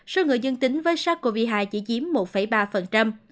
số người dân tính với sars cov hai chỉ chiếm một ba